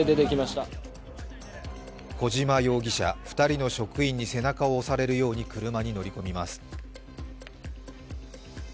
小島容疑者、２人の職員に背中を押されるように車に乗り込みます。